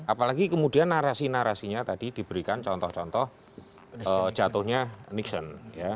apalagi kemudian narasi narasinya tadi diberikan contoh contoh jatuhnya nixon